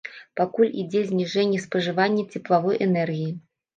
Пакуль ідзе зніжэнне спажывання цеплавой энергіі.